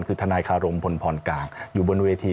คือทนายคารมพลพรกลางอยู่บนเวที